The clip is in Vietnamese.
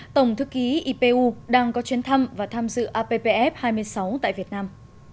tổng thư ký ipu đang có chuyến thăm và tham dự appf hai mươi sáu tại việt nam